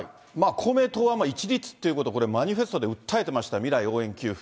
公明党は一律っていうことをこれ、マニフェストで訴えていました、未来応援給付。